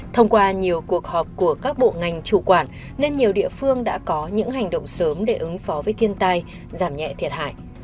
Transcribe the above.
thông qua nhiều cuộc họp của các bộ ngành chủ quản nên nhiều địa phương đã có những hành động sớm để ứng phó với thiên tai giảm nhẹ thiệt hại